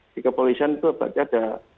di kepolisian itu ada